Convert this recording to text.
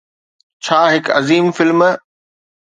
ڇا هڪ عظيم فلم